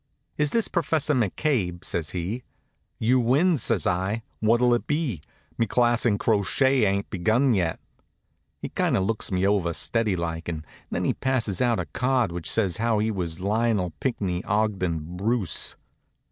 "Is this Professor McCabe?" says he. "You win," says I. "What'll it be? Me class in crochet ain't begun yet." He kind of looked me over steady like, and then he passes out a card which says as how he was Lionel Pinckney Ogden Bruce.